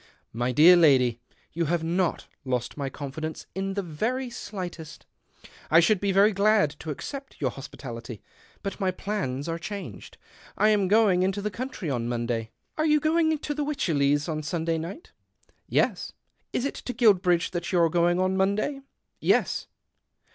" My dear lady, you have not lost my confidence in the very slightest. I should be very glad to accept your hospitality, but my plans are changed. I am going into the country on Monday." " Are you going to the Wycherleys on Sun day night ?"" Yes." " Is it to Guilbridge that you are going on Monday ?"" Yes."